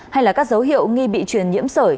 hay là các dấu hiệu nghi bị truyền nhiễm sởi